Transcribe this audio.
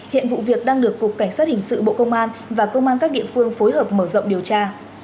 hiện vụ việc đang được cục cảnh sát hình sự bộ công an và công an các địa phương phối hợp mở rộng điều tra